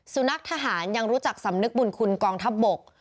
สุนัขทหารยังรู้จักสำนึกบุญคุณกองทัพบก